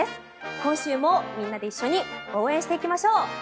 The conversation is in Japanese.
今週もみんなで一緒に応援していきましょう。